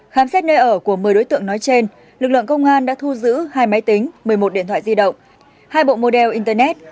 khám xét nơi ở của một mươi đối tượng nói trên lực lượng công an đã thu giữ hai máy tính một mươi một điện thoại di động hai bộ mô đeo internet